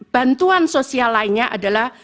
bantuan sosial lainnya adalah